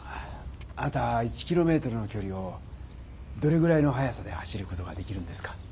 あなた１キロメートルのきょりをどれぐらいの速さで走る事ができるんですか？